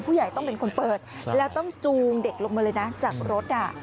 ผู้ใหญ่ต้องเป็นคนเปิดแล้วต้องจูงเด็กลงมาเลยนะจากรถ